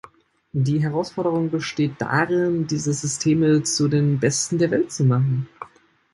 Die Herausforderung besteht darin, diese Systeme zu den besten der Welt zu machen.